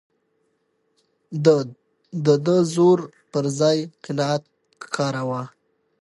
ده د زور پر ځای قناعت کاراوه.